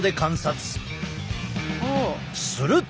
すると！